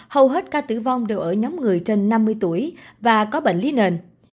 hầu hết ca tử vong đều ở nhóm người trên năm mươi tuổi và có bệnh lý nền